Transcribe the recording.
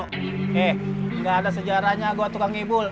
he gak ada sejarahnya gua tukang ngibul